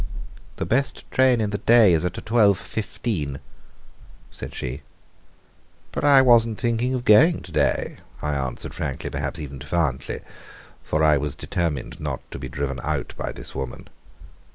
"The best train in the day is at twelve fifteen," said she. "But I was not thinking of going today," I answered, frankly perhaps even defiantly, for I was determined not to be driven out by this woman.